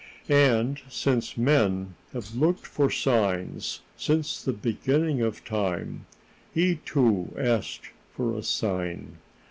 And, since men have looked for signs since the beginning of time, he too asked for a sign.